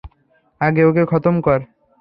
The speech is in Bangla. আগে ওকে খতম কর।